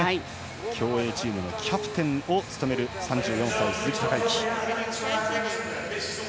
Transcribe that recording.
競泳チームのキャプテンを務める鈴木孝幸。